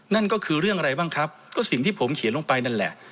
นั่นก็คือเรื่องอะไรบ้างครับก็สิ่งที่ผมเขียนลงไปนั่นแหละ